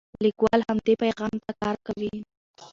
لیکوال همدې پیغام ته کار کوي.